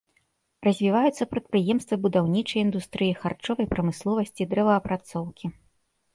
Развіваюцца прадпрыемствы будаўнічай індустрыі, харчовай прамысловасці, дрэваапрацоўкі.